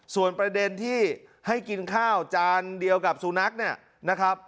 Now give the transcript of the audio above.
ส่วนประเด็นที่ให้กินข้าวจานเดียวกับสุนัข